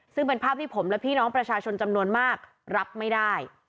ซึ่งเป็นภาพที่ผมและพี่น้องประชาชนจำนวนมากรับไม่ได้